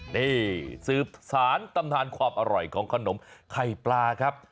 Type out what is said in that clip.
นี่สืบสารตำนานความอร่อยของขนมไข่ปลาครับ